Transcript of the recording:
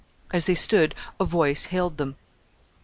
As they stood a voice hailed them.